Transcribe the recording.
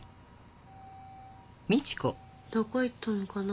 どこ行ったのかな？